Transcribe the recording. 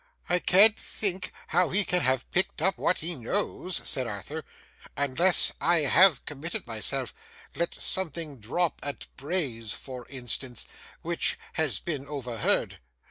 'I can't think how he can have picked up what he knows,' said Arthur, 'unless I have committed myself let something drop at Bray's, for instance which has been overheard.